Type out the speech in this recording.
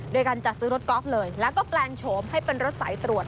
โดยการจัดซื้อรถกอล์ฟเลยแล้วก็แปลงโฉมให้เป็นรถสายตรวจ